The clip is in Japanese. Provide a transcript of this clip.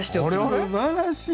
すばらしい。